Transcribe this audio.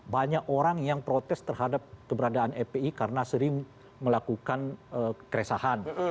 banyak orang yang protes terhadap keberadaan fpi karena sering melakukan keresahan